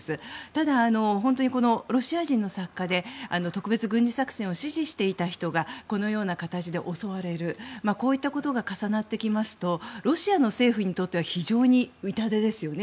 ただ、ロシア人の作家で特別軍事作戦を支持していた人がこのような形で襲われるこういったことが重なってきますとロシアの政府にとっては非常に痛手ですよね。